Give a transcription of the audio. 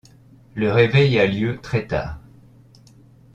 Le réveil a lieu très-tard.